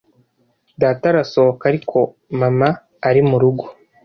Data arasohoka, ariko Mama ari murugo.